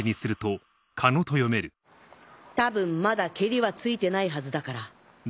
多分まだケリはついてないはずだから。